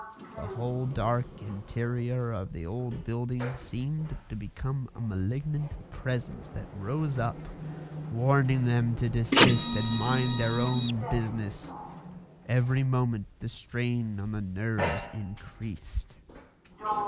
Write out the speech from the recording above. The whole dark interior of the old building seemed to become a malignant Presence that rose up, warning them to desist and mind their own business; every moment the strain on the nerves increased.